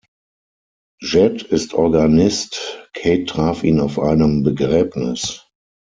Jed ist Organist, Kate traf ihn auf einem Begräbnis.